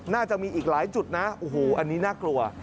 น่าจะมีอีกหลายจุดนะโอ้โหอันนี้น่ากลัว